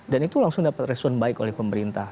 dan itu langsung dapat resumen baik oleh pemerintah